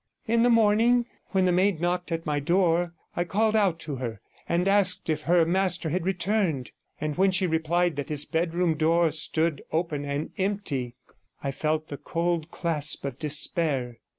In the morning, when the maid knocked at my door, I called out to her, and asked if her master had returned; and when she replied that his bedroom door stood open and empty, I felt the cold clasp of despair.